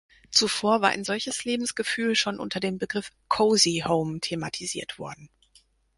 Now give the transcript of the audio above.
Zuvor war ein solches Lebensgefühl schon unter dem Begriff "Cosy home" thematisiert worden.